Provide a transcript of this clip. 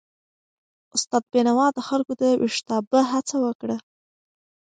استاد بینوا د خلکو د ویښتابه هڅه وکړه.